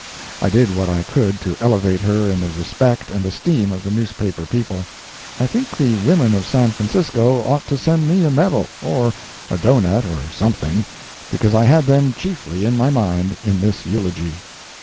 I did what I could to elevate her in the respect and esteem of the newspaper people. I think the women of San Francisco ought to send me a medal, or a doughnut, or something, because I had them chiefly in my mind in this eulogy.